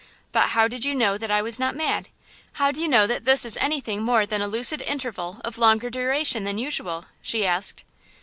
But how did you know that I was not mad? How do you know that this is anything more than a lucid interval of longer duration than usual?" she asked.